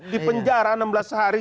di penjara enam belas hari